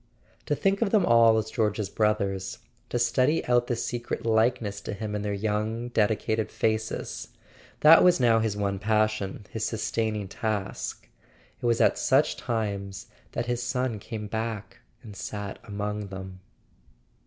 To think of them all as George's brothers, to study out the secret likeness to him in their young dedicated faces: that was now his one passion, his sustaining task; it was at such times that his son came back and sat among them.